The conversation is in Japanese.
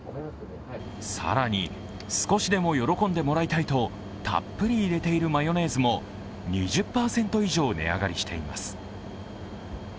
更に、少しでも喜んでもらいたいとたっぷり入れているマヨネーズも２０％以上値上がりしています。